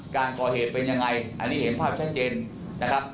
การก่อเหตุเป็นยังไงอันนี้เห็นภาพชัดเจนนะครับ